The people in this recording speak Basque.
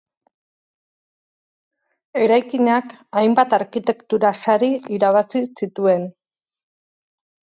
Eraikinak hainbat arkitektura sari irabazi zituen.